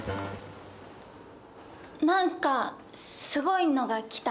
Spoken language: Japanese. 何かすごいのが来たね。